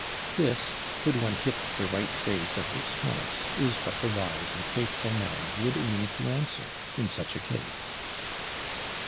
This, could one hit the right phrase of response, is what the wise and faithful man would aim to answer in such a case.